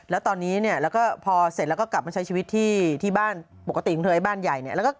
แล้วตอนนี้เนี่ยแล้วก็พอเสร็จแล้วก็กลับมาใช้ชีวิตที่บ้านปกติของเธอไอ้บ้านใหญ่เนี่ย